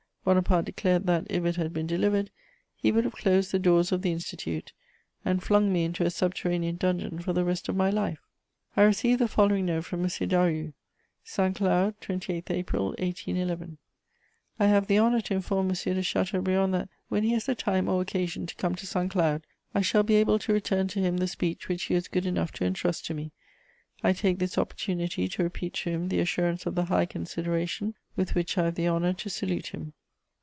Bonaparte declared that, if it had been delivered, he would have closed the doors of the Institute and flung me into a subterranean dungeon for the rest of my life. I received the following note from M. Daru: "SAINT CLOUD, 28 April 1811. "I have the honour to inform Monsieur de Chateaubriand that, when he has the time or occasion to come to Saint Cloud, I shall be able to return to him the speech which he was good enough to entrust to me. I take this opportunity to repeat to him the assurance of the high consideration with which I have the honour to salute him.